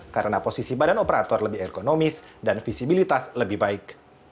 karena posisi badan operator lebih ergonomis dan visibilitas lebih baik